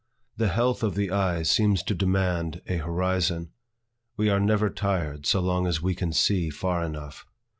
The health of the eye seems to demand a horizon. We are never tired, so long as we can see far enough.